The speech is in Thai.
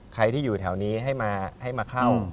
ใครที่อยู่แถวนี้ให้มาเข้า